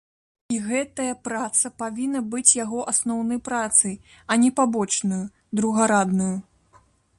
І гэтая праца павінна быць яго асноўнай працай, а не пабочнаю, другараднаю.